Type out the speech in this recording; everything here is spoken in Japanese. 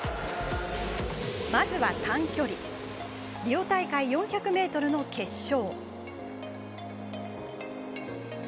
まずは短距離リオ大会４００ｍの決勝。